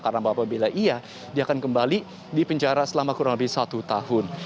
karena apabila iya dia akan kembali di penjara selama kurang lebih satu tahun